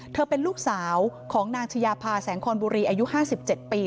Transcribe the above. เธอเป็นลูกสาวของนางชายาภาแสงคอนบุรีอายุ๕๗ปี